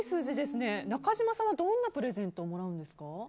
中島さんはどんなプレゼントをもらうんですか？